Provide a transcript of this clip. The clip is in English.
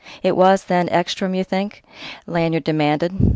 "It was, then, Ekstrom you think?" Lanyard demanded.